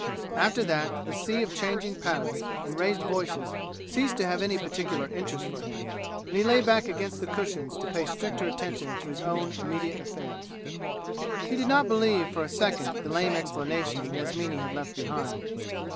After that the sea of changing patterns and raised voices ceased to have any particular interest for him and he lay back against the cushions to pay stricter attention to his own immediate affairs. He did not believe for a second the lame explanation Yasmini had left behind.